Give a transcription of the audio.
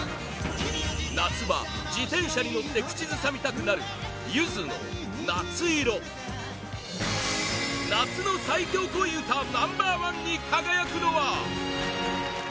夏場、自転車に乗って口ずさみたくなるゆずの「夏色」夏の最強恋うたナンバー１に輝くのは？